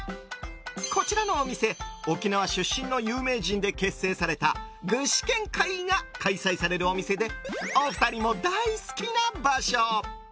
こちらのお店、沖縄出身の有名人で結成された具志堅会が開催されるお店でお二人も大好きな場所。